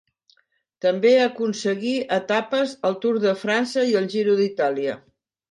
També aconseguí etapes al Tour de França i el Giro d'Itàlia.